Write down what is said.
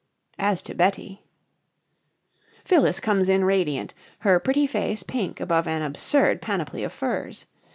As to Betty Phyllis comes in radiant, her pretty face pink above an absurd panoply of furs.